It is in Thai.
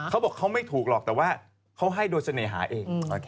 เขาบอกเขาไม่ถูกหรอกแต่ว่าเขาให้โดยเสน่หาเอง